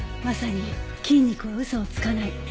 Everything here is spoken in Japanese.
まさに「筋肉は嘘をつかない」。